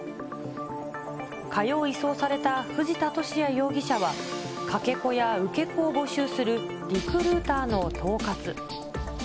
火曜、移送された藤田聖也容疑者はかけ子や受け子を募集するリクルーターの統括。